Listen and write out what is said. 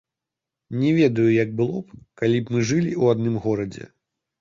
Не ведаю, як было б, калі б мы жылі ў адным горадзе.